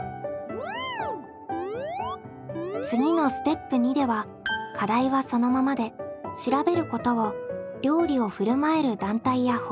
次のステップ２では課題はそのままで「調べること」を料理をふるまえる団体や方法に変更。